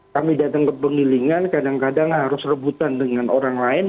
kami datang ke penglilingan kadang kadang harus rebutan dengan orang lain